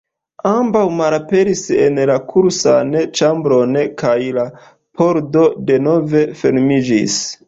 Ambaŭ malaperis en la kursan ĉambron kaj la pordo denove fermiĝis.